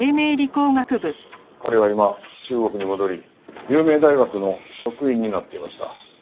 彼は今中国に戻り有名大学の職員になっていました。